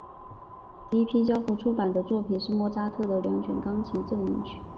第一批交付出版的作品是莫扎特的两卷钢琴奏鸣曲。